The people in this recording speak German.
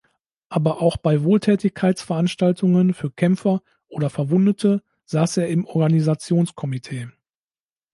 Aber auch bei Wohltätigkeitsveranstaltungen für Kämpfer oder Verwundete saß er im Organisationskomitee.